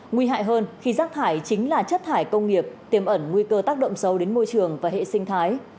nguy hại hơn khi rác thải chính là chất thải công nghiệp tiềm ẩn nguy cơ tác động sâu đến môi trường và hệ sinh thái